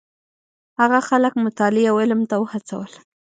هغه خلک مطالعې او علم ته وهڅول.